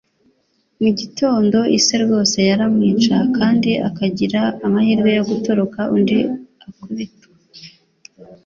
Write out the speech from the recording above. Mu gitondo, ise rwose yaramwica, kandi akagira amahirwe yo gutoroka undi akubitwa.